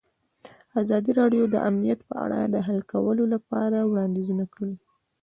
ازادي راډیو د امنیت په اړه د حل کولو لپاره وړاندیزونه کړي.